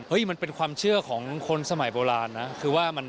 เฮ้ยมันเป็นความเชื่อของคนสมัยโบราณนะ